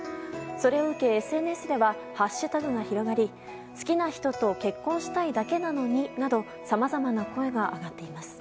それを受け、ＳＮＳではハッシュタグが広がり「好きな人と結婚したいだけなのに」などさまざまな声が上がっています。